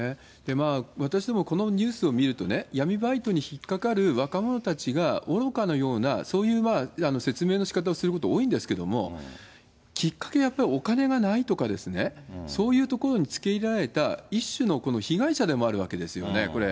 まあ、私どもこのニュースを見るとね、闇バイトに引っ掛かる若者たちが愚かなような、そういう説明のしかたをすること多いんですけど、きっかけはやっぱりお金がないとかですね、そういうところにつけいられた、一種の被害者でもあるわけですよね、これ。